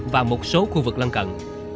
và một số khu vực lân cận